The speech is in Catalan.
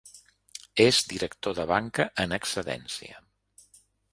És director de banca en excedència.